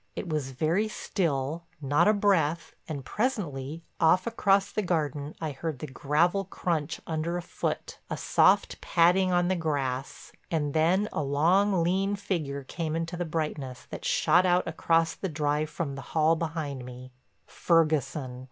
It was very still, not a breath, and presently, off across the garden, I heard the gravel crunch under a foot, a soft padding on the grass, and then a long, lean figure came into the brightness that shot out across the drive from the hall behind me—Ferguson.